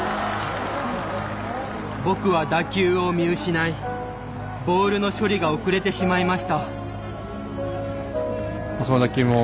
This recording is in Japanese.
僕は打球を見失いボールの処理が遅れてしまいしました。